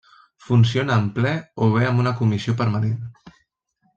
Funciona en ple o bé amb una comissió permanent.